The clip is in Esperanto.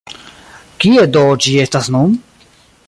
Kie do ĝi estas nun?